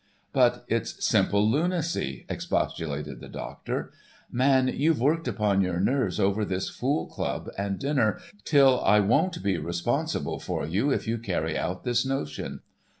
"But it's simple lunacy," expostulated the doctor. "Man, you've worked upon your nerves over this fool club and dinner, till I won't be responsible for you if you carry out this notion.